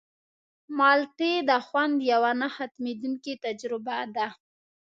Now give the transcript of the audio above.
مالټې د خوند یوه نه ختمېدونکې تجربه ده.